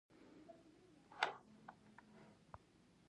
روزولټ کولای شوای چې ملت ته مراجعه وکړي.